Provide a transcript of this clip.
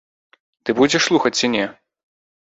Ты будзеш слухаць ці не?